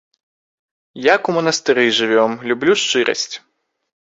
Як у манастыры жывём, люблю шчырасць!